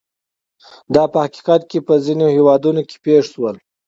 دا په حقیقت کې په ځینو هېوادونو کې پېښ شول.